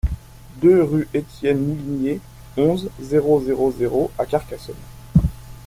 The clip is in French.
deux rue Étienne Moulinié, onze, zéro zéro zéro à Carcassonne